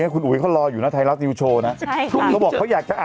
คุณอุ๊ยเขารออยู่นะไทยรัฐนิวโชว์นะ